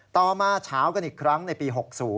ต่อมาเฉากันอีกครั้งในปี๖๐